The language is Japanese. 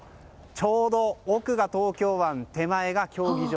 ちょうど奥が東京湾で手前が競技場。